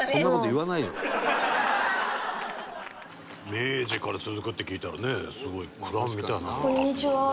「明治から続くって聞いたらねすごい蔵みたいな」